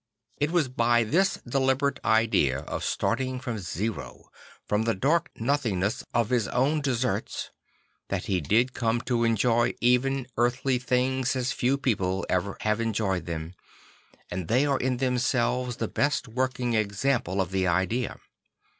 It was by this deliberate idea of starting from zero, from the dark nothingness of his own deserts, that he did come to enjoy even earthly things as few people have enjoyed them; and they are in them selves the best working example of the idea.